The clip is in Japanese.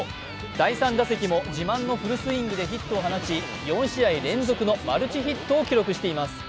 第３打席も自慢のフルスイングでヒットを放ち４試合連続のマルチヒットを記録しています。